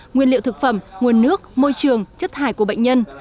nguyên liệu thực phẩm nguồn nước môi trường chất thải của bệnh nhân